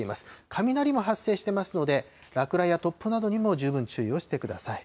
雷も発生していますので、落雷や突風などにも十分注意をしてください。